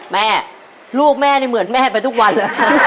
แม่ลูกแม่นี่เหมือนแม่ไปทุกวันเลย